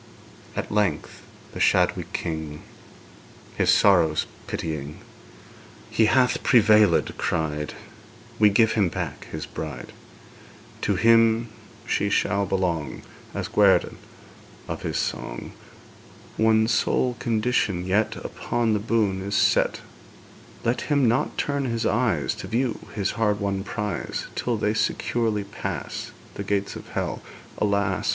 At length the shadowy king, His sorrows pitying, 'He hath prevailèd!' cried; 'We give him back his bride! To him she shall belong, As guerdon of his song. One sole condition yet Upon the boon is set: Let him not turn his eyes To view his hard won prize, Till they securely pass The gates of Hell.' Alas!